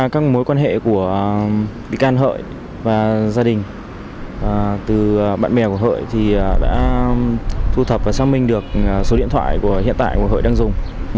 các mối quan hệ của bị can hợi và gia đình từ bạn bè của hợi thì đã thu thập và xác minh được số điện thoại hiện tại của hợi đang dùng